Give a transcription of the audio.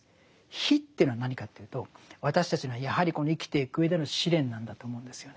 「火」というのは何かというと私たちのやはりこの生きていく上での試練なんだと思うんですよね。